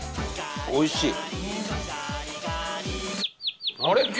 おいしい。